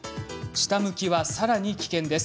下向きは、さらに危険です。